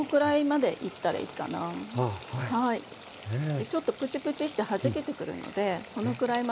でちょっとプチプチッてはじけてくるのでそのくらいまで。